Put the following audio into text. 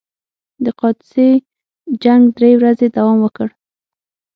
د قادسیې جنګ درې ورځې دوام وکړ.